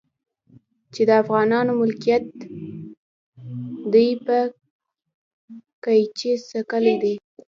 چې د افغانانو ملکيت دی په قيچي څکلي دي.